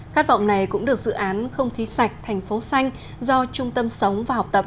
khát vọng này cũng được dự án không khí sạch thành phố xanh do trung tâm sống và học tập